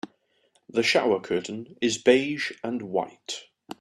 The shower curtain is beige and white.